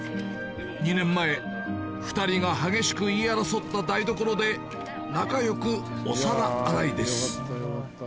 ２年前２人が激しく言い争った台所で仲良くお皿洗いです